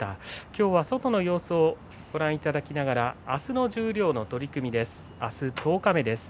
今日は外の様子をご覧いただきながら明日の十両の取組です。